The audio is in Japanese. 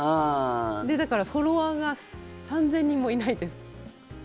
だから、フォロワーが３０００人もいないです。